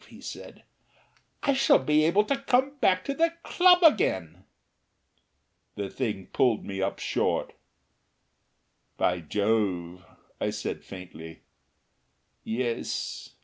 he said, "I shall be able to come back to the club again." The thing pulled me up short. "By Jove!" I said faintly. "Yes.